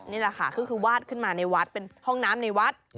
นี่แหละค่ะก็คือวาดขึ้นมาในวัดเป็นห้องน้ำในวัด